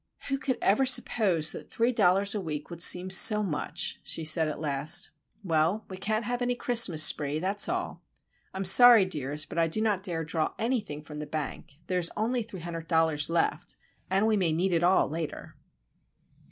"Who could ever suppose that three dollars a week would seem so much?" she said, at last. "Well, we can't have any Christmas spree, that's all. I'm sorry, dears, but I do not dare draw anything from the bank. There is only $300 left,—and we may need it all, later."